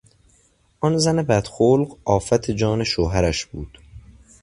آن زن بد خلق آفت جان شوهرش بود.